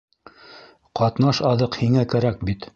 Ҡатнаш аҙыҡ һиңә кәрәк бит!